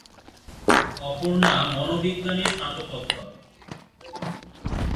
অপর্ণা মনোবিজ্ঞানে স্নাতকোত্তর।